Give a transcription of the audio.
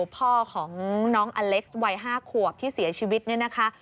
พ่อของน้องอเล็กซ์วัย๕ขวบที่เสียชีวิตเนี่ยนะคะ